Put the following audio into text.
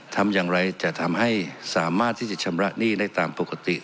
ทำอย่างไรจะทำให้สามารถที่จะชำระหนี้ได้ตามปกติ